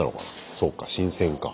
そうか新鮮か。